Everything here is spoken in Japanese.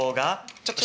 ちょっとシ。